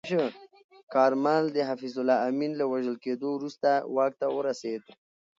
کارمل د حفیظالله امین له وژل کېدو وروسته واک ته ورسید.